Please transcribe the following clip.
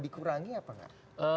dikurangi apa enggak